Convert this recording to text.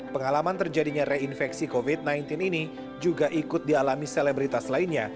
pengalaman terjadinya reinfeksi covid sembilan belas ini juga ikut dialami selebritas lainnya